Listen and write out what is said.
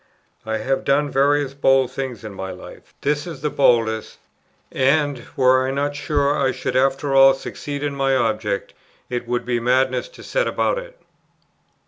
I have done various bold things in my life: this is the boldest: and, were I not sure I should after all succeed in my object, it would be madness to set about it.